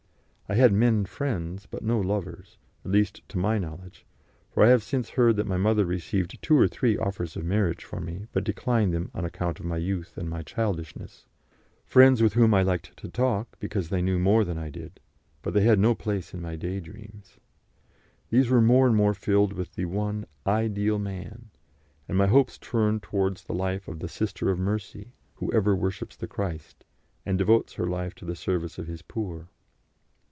I had men friends, but no lovers at least, to my knowledge, for I have since heard that my mother received two or three offers of marriage for me, but declined them on account of my youth and my childishness friends with whom I liked to talk, because they knew more than I did; but they had no place in my day dreams. These were more and more filled with the one Ideal Man, and my hopes turned towards the life of the Sister of Mercy, who ever worships the Christ, and devotes her life to the service of His poor.